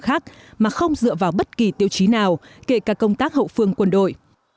khác mà không dựa vào bất kỳ tiêu chí nào kể cả công tác hậu phương quân đội